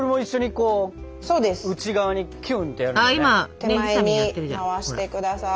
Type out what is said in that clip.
手前に回してください。